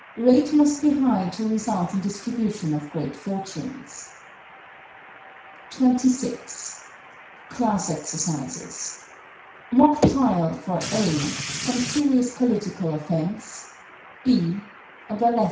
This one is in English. Rate must be high to result in distribution of great fortunes. 26. Class exercises: Mock Trial for (a) some serious political offense; (b) a burlesque offense.